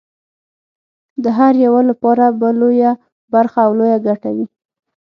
د هر یوه لپاره به لویه برخه او لویه ګټه وي.